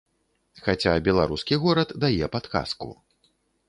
Хаця беларускі горад дае падказку.